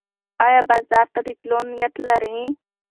ایا بازار ته د تلو نیت لرې؟